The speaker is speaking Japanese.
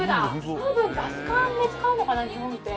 多分ガス管で使うのかな日本って。